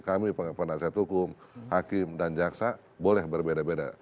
kami penasihat hukum hakim dan jaksa boleh berbeda beda